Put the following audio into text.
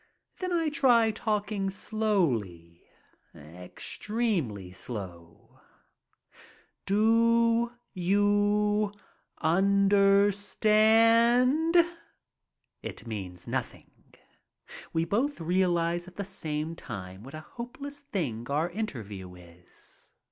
Then I try talking slowly, extremely slow. Do — ^you — understand ?" It means nothing. We both realize at the same time what a hopeless thing our interview is.